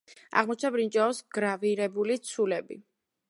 აღმოჩნდა ბრინჯაოს გრავირებული ცულები.